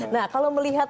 nah kalau melihat